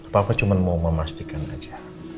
papa cuma mau memastikan aja